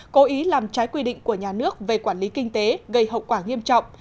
cố ý làm trái quy định của nhà nước về quản lý kinh tế gây hậu quả nghiêm trọng